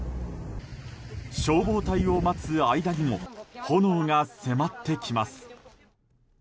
消防隊を待つ間にも炎が迫ってきます。